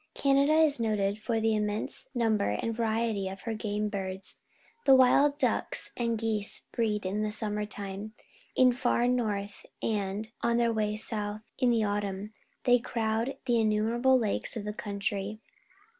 Canada is noted for the immense nmnber and variety of her game birds. The wild ducks and geese breed in the summer time 72 PUBLIC SCHOOL GEOGRAPHY in the far north, and, on their way soutli in the autumn, they crowd the innumeralile lakes of the country.